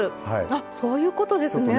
あっそういうことですね。